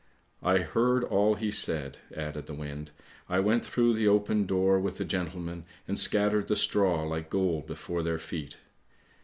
I heard all he said," added the wind. " I went through the open door with the gentlemen and scattered the straw like gold before their feet.